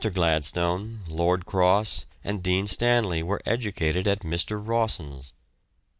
Gladstone, Lord Cross, and Dean Stanley were educated at Mr. Rawson's.